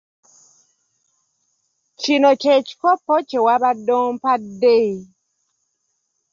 Kino kye kikopo kye wabadde ompadde.